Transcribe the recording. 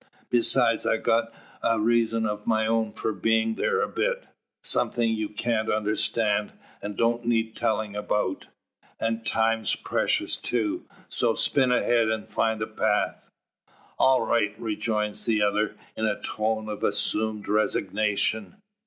Besides I've got a reason of my own for being there a bit something you can't understand, and don't need telling about. And time's precious too; so spin ahead, and find the path." "All right," rejoins the other, in a tone of assumed resignation.